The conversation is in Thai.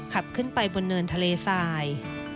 ขับขึ้นไปบนเนินทะเลทราย